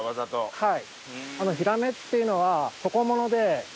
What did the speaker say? はい。